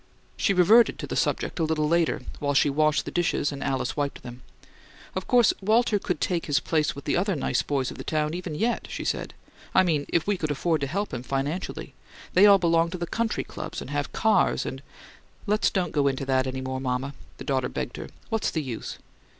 She reverted to the subject a little later, while she washed the dishes and Alice wiped them. "Of course Walter could take his place with the other nice boys of the town even yet," she said. "I mean, if we could afford to help him financially. They all belong to the country clubs and have cars and " "Let's don't go into that any more, mama," the daughter begged her. "What's the use?"